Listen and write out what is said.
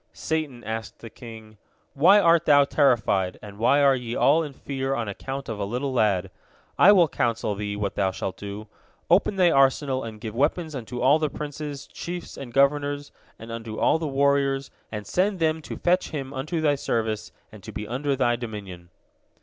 Satan asked the king: "Why art thou terrified, and why are ye all in fear on account of a little lad? I will counsel thee what thou shalt do: Open thy arsenal and give weapons unto all the princes, chiefs, and governors, and unto all the warriors, and send them to fetch him unto thy service and to be under thy dominion."